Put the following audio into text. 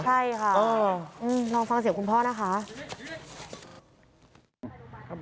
ใช่ค่ะลองฟังเสียงคุณพ่อนะคะ